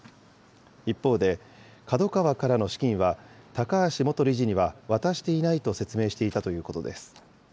一方でＫＡＤＯＫＡＷＡからの資金は、高橋元理事には渡していないと説明していたということです。